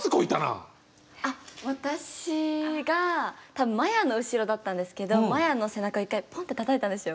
あっ私が多分ＭＡＹＡの後ろだったんですけどＭＡＹＡの背中一回ポンってたたいたんですよ。